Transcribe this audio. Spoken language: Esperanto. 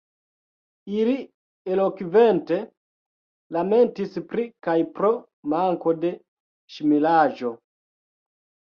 Ili elokvente lamentis pri kaj pro manko de ŝmiraĵo.